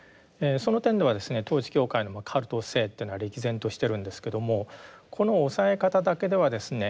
その点ではですね統一教会のカルト性というのは歴然としてるんですけどもこの押さえ方だけではですね